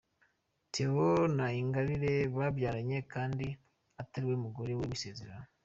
Theo na Ingabire babyaranye kandi atariwe mugore we w’isezerano.